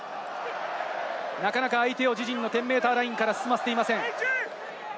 なかなか相手を自陣の１０ｍラインから進ませていません。